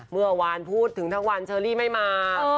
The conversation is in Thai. เมื่อวานพูดถึงธรรมดาไม่มา